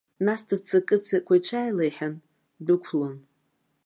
Нас дыццакы-ццакуа иҽааилаҳәан ддәықәлон.